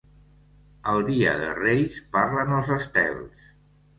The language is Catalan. El dia de Reis parlen els estels.